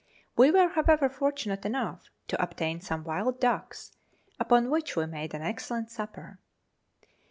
We were, however, fortunate enough to obtain some wild ducks, upon which we made an excellent supper.